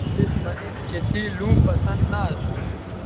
تِس مہ نن چہء تے لوں پسند نہ اسو